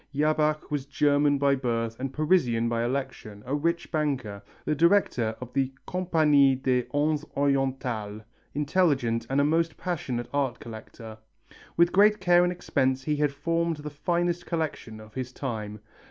Jabach was a German by birth and Parisian by election, a rich banker, the director of the Compagnie des Indes Orientales, intelligent and a most passioned art collector. With great care and expense he had formed the finest collection of his time.